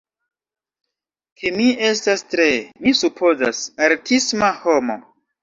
ke mi estas tre, mi supozas, artisma homo